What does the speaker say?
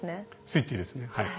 スイッチですねはい。